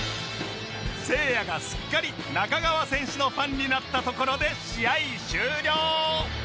せいやがすっかり仲川選手のファンになったところで試合終了